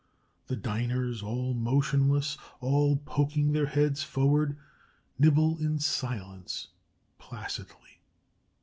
The diners, all motionless, all poking their heads forward, nibble in silence, placidly.